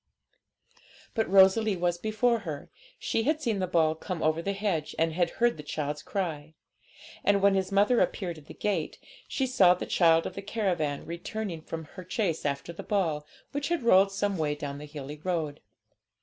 But Rosalie was before her. She had seen the ball come over the hedge, and had heard the child's cry; and, when his mother appeared at the gate, she saw the child of the caravan returning from her chase after the ball, which had rolled some way down the hilly road.